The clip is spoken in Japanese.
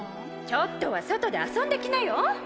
ちょっとは外で遊んできなよ？